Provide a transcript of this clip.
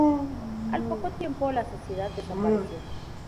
Al poco tiempo, la sociedad desapareció.